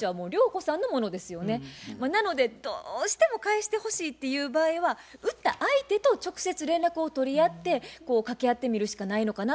なのでどうしても返してほしいっていう場合は売った相手と直接連絡を取り合って掛け合ってみるしかないのかなと思います。